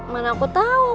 mana aku tau